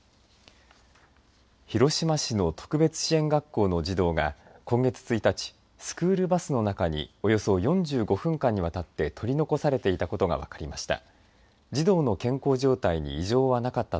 広島市の特別支援学校の児童が今月１日、スクールバスの中におよそ４５分間にわたって取り残されていたことが分かりました。